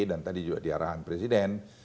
dan tadi juga di arahan presiden